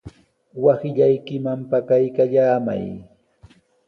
Wasillaykiman pakaykallamay.